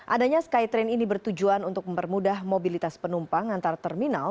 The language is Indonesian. adanya skytrain ini bertujuan untuk mempermudah mobilitas penumpang antar terminal